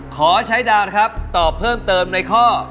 ขอใช้ดาวนะครับตอบเพิ่มเติมในข้อ